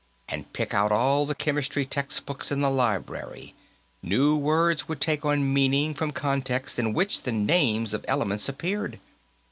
And pick out all the chemistry textbooks in the Library; new words would take on meaning from contexts in which the names of elements appeared.